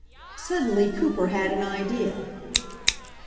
Suddenly Cooper had an idea.